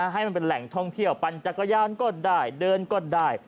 ให้มันเป็นแหล่งท่องเที่ยวปั่นจักรยานก็ได้เดินก็ได้